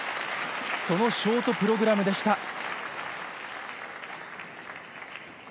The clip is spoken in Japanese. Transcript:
そのショートプログラムでした。